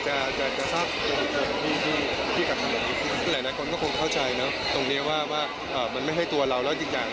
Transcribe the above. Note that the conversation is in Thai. หลายคนก็คงเข้าใจนะตรงนี้ว่ามันไม่ให้ตัวเราแล้วอีกอย่าง